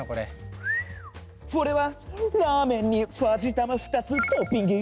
フォレはラーメンにファジ玉２つトッピング！